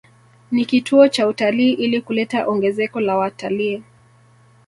Ni kituo cha utalii ili kuleta ongezeko la wataliii